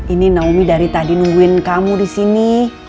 ini naomi dari tadi nungguin kamu disini